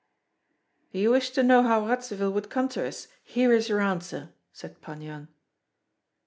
"You wished to know how Radzivill would come to us; here is your answer!" said Pan Yan.